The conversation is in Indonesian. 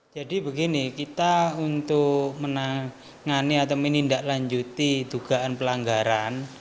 begini kita untuk menangani atau menindaklanjuti dugaan pelanggaran